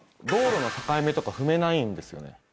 道路の境目とか踏めないんですよね。